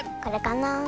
これかな？